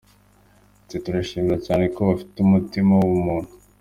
Ati” Turabashimira cyane kuko bafite umutima w’ubumuntu.